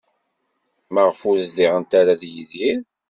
Maɣef ur zdiɣent ara ed Yidir?